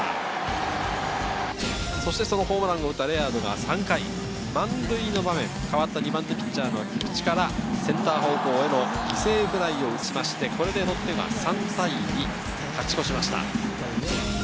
そのホームランを打ったレアードが３回、満塁の場面、２番手ピッチャー・菊地からセンター方向への犠牲フライを打って、ロッテが３対２、勝ち越しました。